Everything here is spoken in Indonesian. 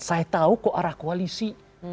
saya tahu kok arah koalisi